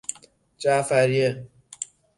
جعفریه